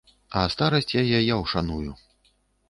А старасць яе я ўшаную.